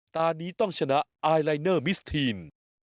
ตอนนี้ต้องชนะไอลายเนอร์มิสทีน